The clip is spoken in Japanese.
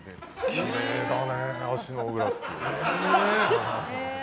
きれいだね、足の裏って。